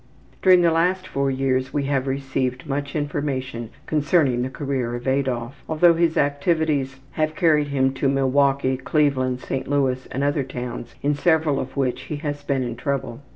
During the last four years we have received much information concerning the career of Adolf, although his activities have carried him to Milwaukee, Cleveland, St. Louis, and other towns, in several of which he has been in trouble.